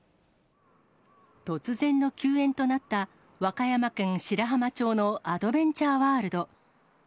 突然の休園となった和歌山県白浜町のアドベンチャーワールド。